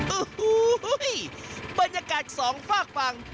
อุ้ยบรรยากาศสองฝากบัง